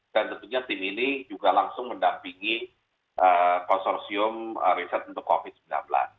dan tentunya tim ini juga langsung mendampingi konsorsium riset untuk covid sembilan belas